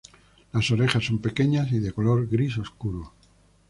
Las orejas son pequeñas y de color gris oscuro.